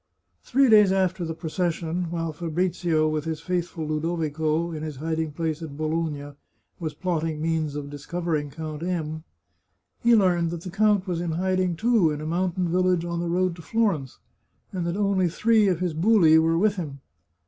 Three days after the procession, while Fabrizio, with his faithful Ludovico, in his hiding place at Bologna, was plot ting means of discovering Count M , he learned that the count was in hiding, too, in a mountain village on the road to Florence, and that only three of his buli were with him.